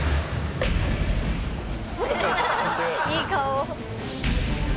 いい顔。